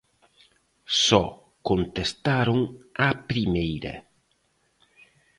Só contestaron á primeira.